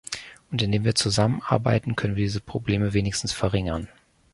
Und indem wir zusammenarbeiten, können wir diese Probleme wenigstens verringern.